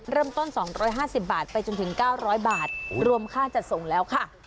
เริ่มต้น๒๕๐บาทไปจนถึง๙๐๐บาทรวมค่าจัดส่งแล้วค่ะ